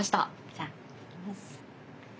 じゃあいきます。